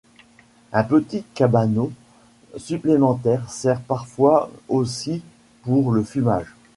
Un petit cabanon supplémentaire sert parfois aussi pour le fumage.